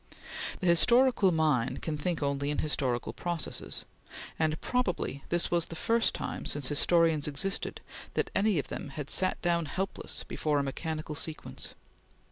The historical mind can think only in historical processes, and probably this was the first time since historians existed, that any of them had sat down helpless before a mechanical sequence.